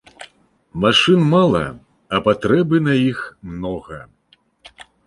Машын мала, а патрэбы на іх многа.